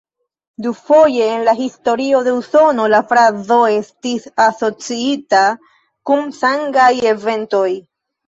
Dufoje en la historio de Usono la frazo estis asociita kun sangaj eventoj.